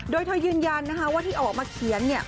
โดยเธอยืนยันนะคะว่าที่ออกมาเขียนเนี่ย